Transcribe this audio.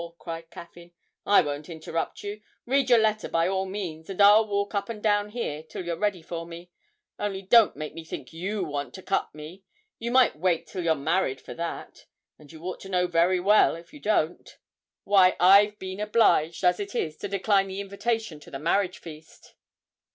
cried Caffyn. 'I won't interrupt you; read your letter by all means, and I'll walk up and down here till you're ready for me only don't make me think you want to cut me; you might wait till you're married for that, and you ought to know very well (if you don't) why I've been obliged, as it is, to decline the invitation to the marriage feast.'